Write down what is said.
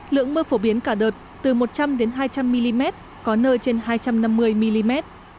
lượng mưa phổ biến cả đợt từ một trăm linh hai trăm linh mm có nơi trên hai trăm năm mươi mm